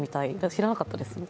知らなかったです。